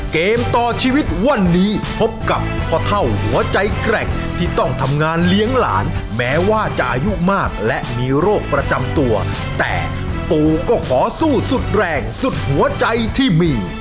เกมต่อชีวิตวันนี้พบกับพ่อเท่าหัวใจแกร่งที่ต้องทำงานเลี้ยงหลานแม้ว่าจะอายุมากและมีโรคประจำตัวแต่ปู่ก็ขอสู้สุดแรงสุดหัวใจที่มี